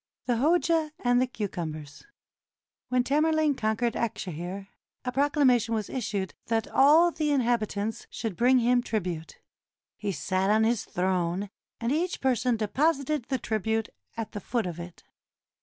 THE HOJA AND THE CUCUMBERS When Tamerlane conquered Akshehir, a proclamation was issued that all the inhabitants should bring him trib ute. He sat on his throne, and each person deposited the tribute at the foot of it.